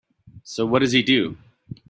So what does he do?